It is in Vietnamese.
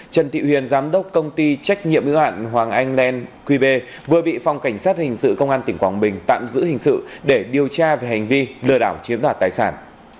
trần thị huyền giám đốc công ty trách nhiệm ưu hạn hoàng anh nenqb vừa bị phòng cảnh sát hình sự công an tỉnh quảng bình tạm giữ hình sự để điều tra về hành vi lừa đảo chiếm đoạt tài sản